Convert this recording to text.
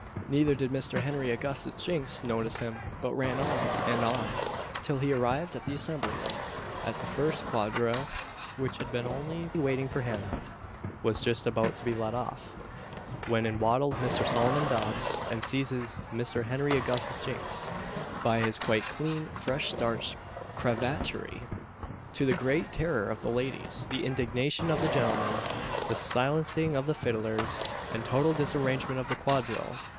Neither did Mr. Henry Augustus Jinks notice him, but ran on, and on, till he arrived at the assembly room; and the first quadrille which had been only waiting for him was just about to be led off, when in waddled Mr. Solomon Dobbs, and seizes Mr. Henry Augustus Jinks by his quite clean, fresh starched cravattery! to the great terror of the ladies, the indignation of the gentlemen, the silencing of the fiddlers, and total disarrangement of the quadrille!